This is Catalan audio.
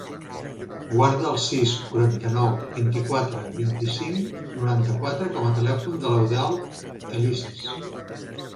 Guarda el sis, quaranta-nou, vint-i-quatre, vint-i-cinc, noranta-quatre com a telèfon de l'Eudald Elices.